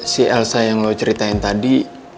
si elsa yang lo ceritain tadi